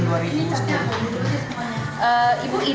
ibu ide awalnya itu seperti apa sih ibu